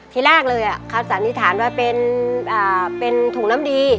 ทีแรกเลยเขาสันนิษฐานว่าเป็นถุงน้ำดี